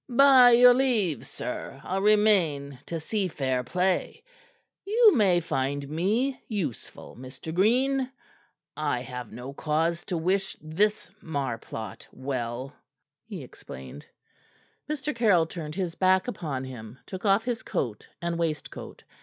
"By your leave, sir, I'll remain to see fair play. You may find me useful, Mr. Green. I have no cause to wish this marplot well," he explained. Mr. Caryll turned his back upon him, took off his coat and waistcoat.